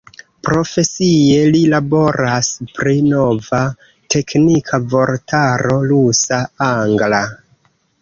Profesie li laboras pri nova teknika vortaro rusa-angla.